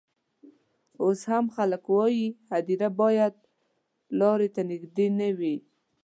اوس هم خلک وايي هدیره باید و لاري ته نژدې نه وي.